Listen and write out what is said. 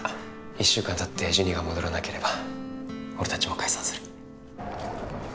１週間たってジュニが戻らなければ俺たちも解散する。